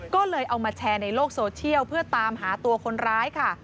ก็เลยเอามาแชร์ในโลกโซเชียลเพื่อตามหาตัวคนร้ายค่ะ